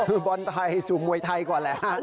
คือบอลไทยสู่มวยไทยก่อนแหละ